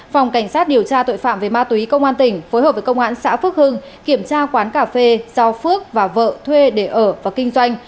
phòng cảnh sát điều tra tội phạm về ma túy công an tỉnh phối hợp với công an xã phước hưng kiểm tra quán cà phê do phước và vợ thuê để ở và kinh doanh